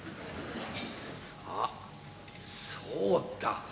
あっそうだ。